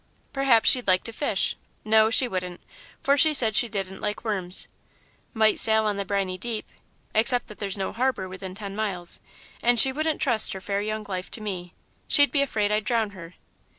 "Perhaps she'd like to fish no, she wouldn't, for she said she didn't like worms. Might sail on the briny deep, except that there's no harbour within ten miles, and she wouldn't trust her fair young life to me. She'd be afraid I'd drown her.